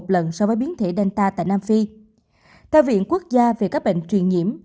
lần so với biến thể delta tại nam phi theo viện quốc gia về các bệnh truyền nhiễm